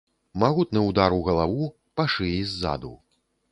Магутны ўдар у галаву, па шыі ззаду.